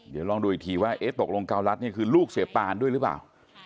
เดี๋ยวลองดูอีกทีว่าเอ๊ะตกลงเการัฐนี่คือลูกเสียปานด้วยหรือเปล่า